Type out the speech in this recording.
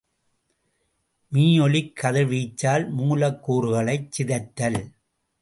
மீஒலிக் கதிர்வீச்சால் மூலக்கூறுகளைச் சிதைத்தல்.